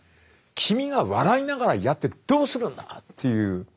君が笑いながらやってどうするんだ」っていう。